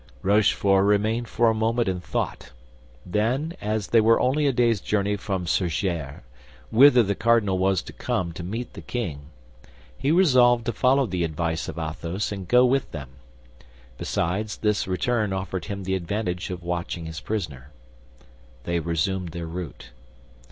Rochefort remained for a moment in thought; then, as they were only a day's journey from Surgères, whither the cardinal was to come to meet the king, he resolved to follow the advice of Athos and go with them. Besides, this return offered him the advantage of watching his prisoner. They resumed their route.